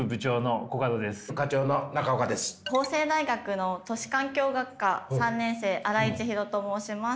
法政大学の都市環境学科３年生新井千尋と申します。